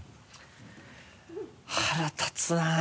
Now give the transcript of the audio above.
腹立つなぁ。